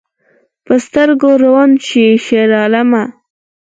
په سترګو ړوند شې شیرعالمه